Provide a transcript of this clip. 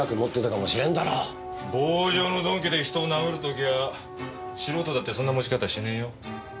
棒状の鈍器で人を殴る時は素人だってそんな持ち方しねえよ。